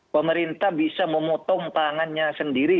pemerintah bisa memotong pangannya sendiri